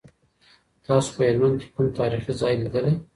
تاسو په هلمند کي کوم تاریخي ځای لیدلی؟